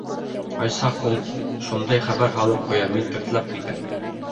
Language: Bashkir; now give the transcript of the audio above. Ҡай саҡ ул шундай хәбәр һалып ҡуя, мин тертләп китәм.